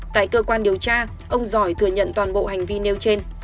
tại cơ quan điều tra ông giỏi thừa nhận toàn bộ hành vi nêu trên